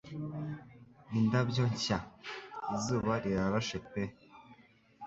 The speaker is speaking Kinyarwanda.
Indabyo nshya; izuba rirashe pe